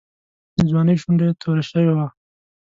د ځوانۍ شونډه یې توره شوې وه.